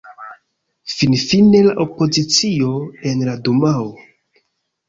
Finfine la opozicio en la dumao.